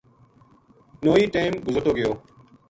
نوہی ٹیم گزرتو گیو